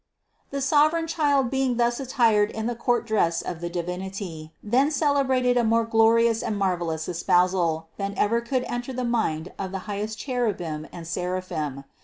The sovereign Child being thus attired in the court dress of the Divinity, then celebrated a more glo rious and marvelous espousal than ever could enter the mind of the highest cherubim and seraphim.